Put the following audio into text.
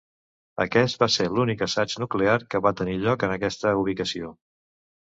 Aquest va ser l'únic assaig nuclear que va tenir lloc en aquesta ubicació.